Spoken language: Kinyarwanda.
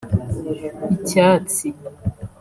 icyatsi